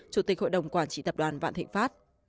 chủ tịch hội đồng quản trị tập đoàn vạn thịnh pháp